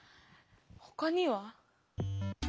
ほかには？